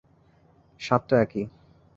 স্বাদ তো একই।